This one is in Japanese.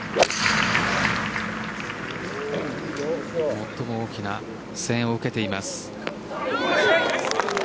最も大きな声援を受けています。